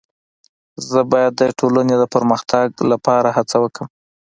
زه باید د ټولني د پرمختګ لپاره هڅه وکړم.